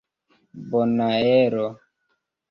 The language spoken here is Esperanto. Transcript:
bonaero